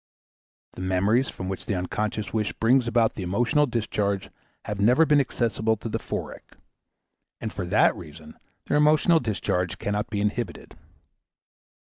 The memories from which the unconscious wish brings about the emotional discharge have never been accessible to the Forec., and for that reason their emotional discharge cannot be inhibited.